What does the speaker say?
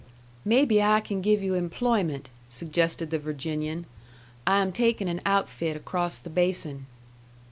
"Maybe I can give you employment," suggested the Virginian. "I am taking an outfit across the basin."